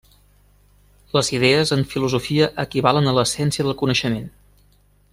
Les idees en filosofia equivalen a l'essència del coneixement.